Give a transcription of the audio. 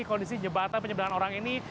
kondisi jembatan penyeberangan orang ini